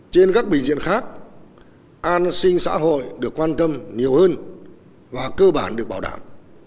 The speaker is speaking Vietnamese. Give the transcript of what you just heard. trên các bình diện khác an sinh xã hội được quan tâm nhiều hơn và cơ bản được bảo đảm